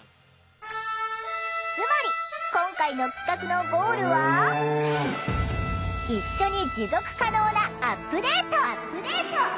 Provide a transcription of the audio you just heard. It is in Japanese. つまり今回の企画のゴールは「一緒に持続可能なアップデート」。